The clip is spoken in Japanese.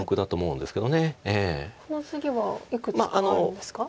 この次はいくつかあるんですか？